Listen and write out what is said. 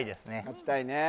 勝ちたいね